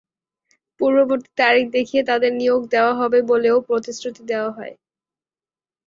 পূর্ববর্তী তারিখ দেখিয়ে তাঁদের নিয়োগ দেওয়া হবে বলেও প্রতিশ্রুতি দেওয়া হয়।